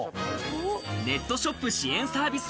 ネットショップ支援サービス